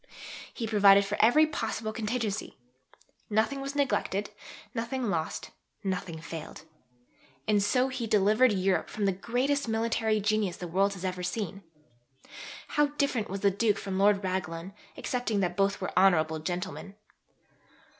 he provided for every possible contingency. Nothing was neglected, nothing lost, nothing failed. And so he delivered Europe from the greatest military genius the world has seen. How different was the Duke from Lord Raglan, excepting that both were honourable gentlemen!